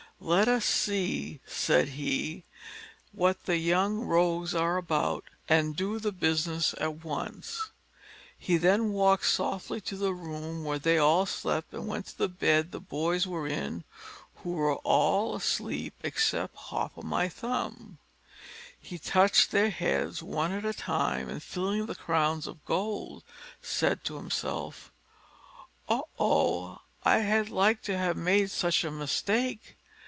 "Let us see," said he, "what the young rogues are about, and do the business at once!" He then walked softly to the room where they all slept, and went up to the bed the boys were in, who were all asleep except Hop o' my thumb. He touched their heads one at a time, and feeling the crowns of gold, said to himself, "Oh, oh! I had like to have made such a mistake.